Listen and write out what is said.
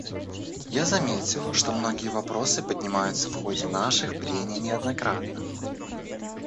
Я заметил, что многие вопросы поднимаются в ходе наших прений неоднократно.